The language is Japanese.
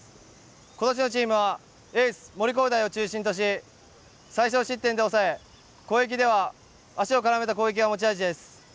今年のチームはエース・森煌誠を中心とし、最少失点で抑え攻撃では足をからめた攻撃が持ち味です。